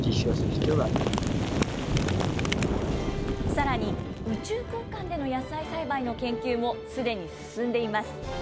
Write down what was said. さらに、宇宙空間での野菜栽培の研究もすでに進んでいます。